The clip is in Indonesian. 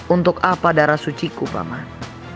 untuk apa darah suci ku paman